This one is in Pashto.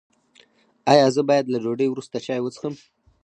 ایا زه باید له ډوډۍ وروسته چای وڅښم؟